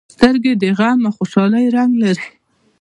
سترګې د غم او خوشالۍ رنګ لري